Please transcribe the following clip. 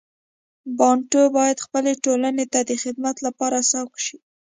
بانټو باید خپلې ټولنې ته د خدمت لپاره سوق شي.